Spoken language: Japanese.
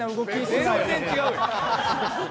全然違うよ！